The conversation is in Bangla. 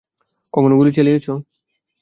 কখনো গুলি চালিয়েছ?